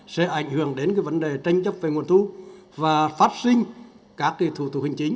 sẽ ảnh hưởng đến vấn đề tranh chấp về nguồn thu và phát sinh các thủ tục hành chính